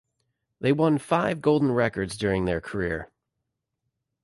They won five golden records during their career.